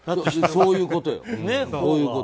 そういうことだよ。